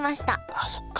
あそっか！